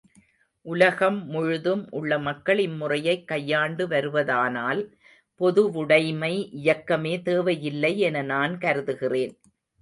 உலகம் முழுதும் உள்ள மக்கள் இம்முறையைக் கையாண்டு வருவதானால், பொதுவுடைமை இயக்கமே தேவையில்லை என நான் கருதுகிறேன்.